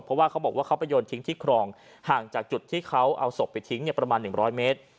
เพราะว่าเขาบอกว่าเขาไปโยนทิ้งที่ครองห่างจากจุดที่เขาเอาศพไปทิ้งประมาณ๑๐๐เมตร